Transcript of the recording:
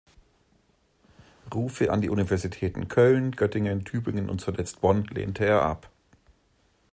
Rufe an die Universitäten Köln, Göttingen, Tübingen und zuletzt Bonn lehnte er ab.